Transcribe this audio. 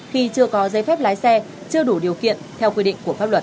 khi chưa có giấy phép lái xe chưa đủ điều kiện theo quy định của pháp luật